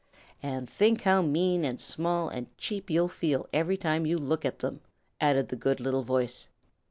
"And think how mean and small and cheap you'll feel every time you look at them," added the good little voice.